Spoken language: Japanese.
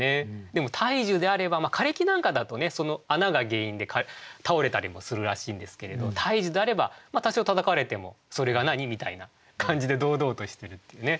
でも大樹であれば枯れ木なんかだとその穴が原因で倒れたりもするらしいんですけれど大樹であれば多少たたかれても「それが何？」みたいな感じで堂々としてるっていうね。